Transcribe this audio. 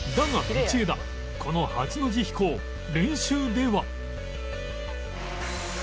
道枝この８の字飛行練習では